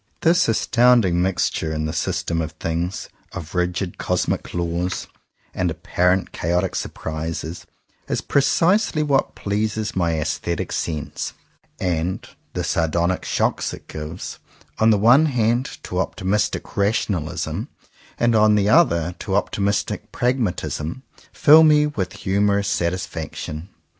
This astounding mixture in the system of things of rigid cosmic laws and apparent 53 CONFESSIONS OF TWO BROTHERS chaotic surprises is precisely what pleases my aesthetic sense; and the sardonic shocks it gives, on the one hand, to optimistic rationalism, and on the other to optimistic pragmatism, fill me with humourous satis faction.